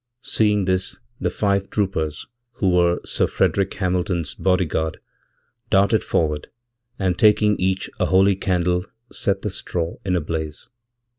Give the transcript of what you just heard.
Seeing this, the five troopers who were Sir FrederickHamilton's body guard darted forward, and taking each a holy candleset the straw in a blaze.